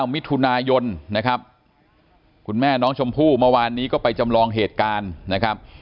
มิถุนายนนะครับคุณแม่น้องชมพู่เมื่อวานนี้ก็ไปจำลองเหตุการณ์นะครับ